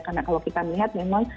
karena kalau kita melihat memang